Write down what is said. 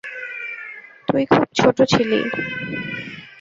তুই খুব ছোট ছিলি।